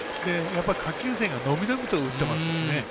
やっぱり下級生が伸び伸びと打っていますしね。